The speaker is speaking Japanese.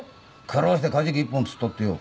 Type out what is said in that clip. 苦労してカジキ１本釣ったってよ